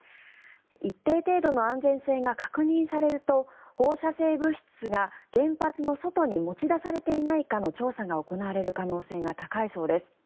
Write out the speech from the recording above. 一定程度の安全性が確認されると放射性物質が原発の外に持ち出されていないかの調査が行われる可能性が高いそうです。